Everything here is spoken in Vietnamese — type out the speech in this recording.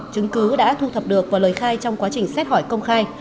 chứng cứ đã thu thập được và lời khai trong quá trình xét hỏi công khai